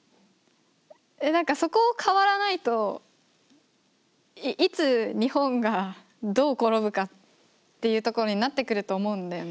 そこを変わらないといつ日本がどう転ぶかっていうところになってくると思うんだよね。